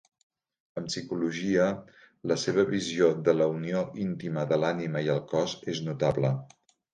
En psicologia, la seva visió de la unió íntima de l'ànima i el cos és notable.